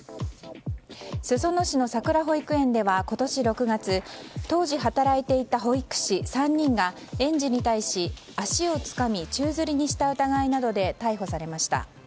裾野市のさくら保育園では今年６月当時働いていた保育士３人が園児に対し、足をつかみ宙づりにした疑いなどで逮捕されました。